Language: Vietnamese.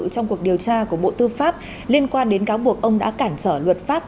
trong cuộc điều tra của bộ tư pháp liên quan đến cáo buộc ông đã cản trở luật pháp